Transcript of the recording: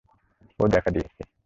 ও দেখা দিয়েছে।